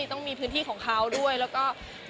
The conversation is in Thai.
ต้องมีพื้นที่ของเขาด้วยแล้วก็